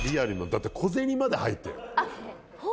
だって小銭まで入ってるもん。